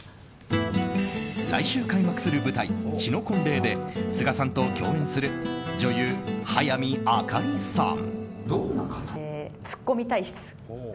来週開幕する舞台「血の婚礼」で須賀さんと共演する女優・早見あかりさん。